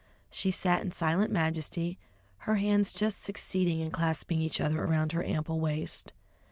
She sat in silent majesty, her hands just succeeding in clasping each other around her ample waist.